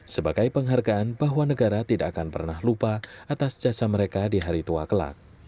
sebagai penghargaan bahwa negara tidak akan pernah lupa atas jasa mereka di hari tua kelak